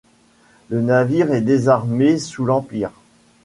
Le navire est désarmé sous l'Empire.